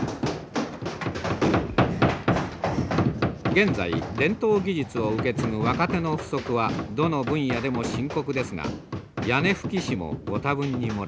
現在伝統技術を受け継ぐ若手の不足はどの分野でも深刻ですが屋根葺師もご多分に漏れません。